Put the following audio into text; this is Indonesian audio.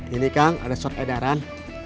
ini kang ada surat edaran